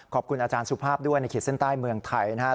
ขอบคุณอาจารย์สุภาพด้วยในขีดเส้นใต้เมืองไทยนะครับ